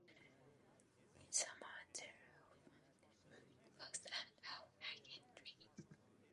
In summer there are of mountain bike paths and of hiking trails.